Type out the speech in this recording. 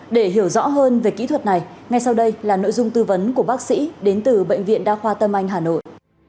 để hiểu rõ hơn về kỹ thuật này ngay sau đây là nội dung tư vấn của bác sĩ đến từ bệnh viện đa khoa tâm anh hà nội